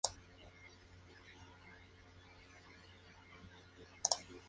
Sin embargo la denominación en Suiza es diferente a en Alemania y Austria.